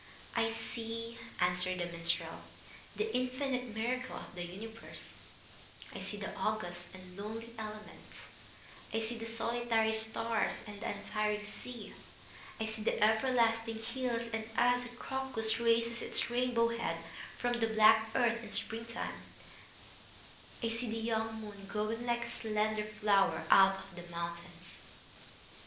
"I see," answered the minstrel, "the infinite miracle of the universe, I see the august and lonely elements, I see the solitary stars and the untiring sea, I see the everlasting hills and, as a crocus raises its rainbow head from the black earth in springtime, I see the young moon growing like a slender flower out of the mountains...."